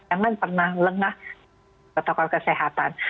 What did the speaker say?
jangan pernah lengah protokol kesehatan